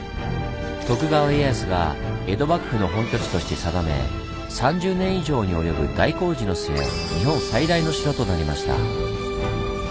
徳川家康が江戸幕府の本拠地として定め３０年以上に及ぶ大工事の末日本最大の城となりました。